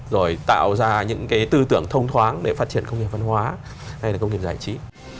rồi tạo ra những cái tư tưởng thông thoáng để phát triển công nghiệp văn hóa hay là công nghiệp giải trí